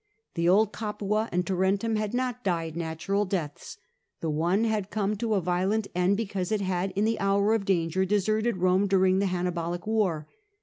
The old Capua and Tarentum had not died natural deaths. The one had come to a violent end because it had in the hour of danger deserted Rome during the Hannibalic War.